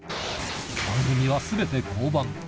番組はすべて降板。